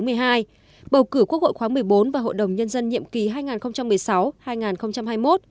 bầu cử quốc hội khóa một mươi bốn và hội đồng nhân dân nhiệm kỳ hai nghìn một mươi sáu hai nghìn hai mươi một